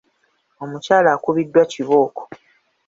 Omukyala akubiddwa kibooko.